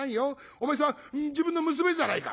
お前さん自分の娘じゃないか」。